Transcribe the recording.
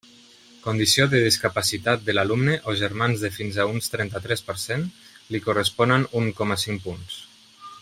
Condició de discapacitat de l'alumne o germans de fins a un trenta-tres per cent, li corresponen un coma cinc punts.